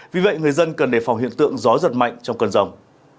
vì vậy người dân cần đề phòng hiện tượng gió giật mạnh trong cơn rồng